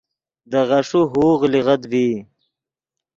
دے غیݰے ہوغ لیغت ڤی